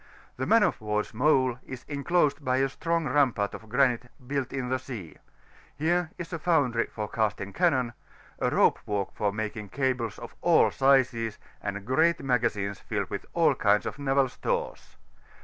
The man of war^s mole is enclosed by a strong rampart of granite, built in the sea: here is a foundry for casting cannon, a rope walk for making cables of all sizes, and great magazines fiUed with all Idnds of naval stores.